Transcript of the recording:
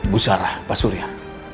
bu sarah pak surya